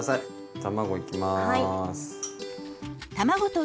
卵いきます。